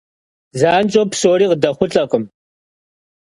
Zanş'eu psori khıdexhulh'akhım.